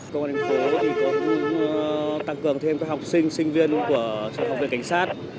công an thành phố thì có muốn tăng cường thêm các học sinh sinh viên của trường học về cảnh sát